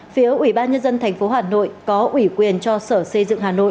phía ủy ban nhân dân tp hà nội có ủy quyền cho sở xây dựng